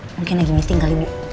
mungkin lagi meeting kali bu